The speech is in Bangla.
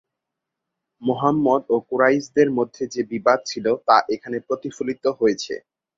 মুহাম্মাদ ও কুরাইশদের মধ্যে যে বিবাদ ছিল তা এখানে প্রতিফলিত হয়েছে।